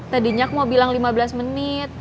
tadinya aku mau bilang lima belas menit